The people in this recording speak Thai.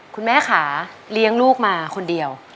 คุณแม่ค่ะเลี้ยงลูกมาคนเดียว